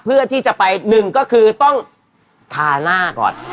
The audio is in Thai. เพื่อที่จะไปหนึ่งก็คือต้องทาหน้าก่อน